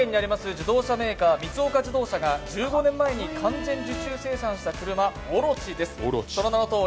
自動車メーカー光岡自動車が１５年前に完全受注生産した車、オロチです。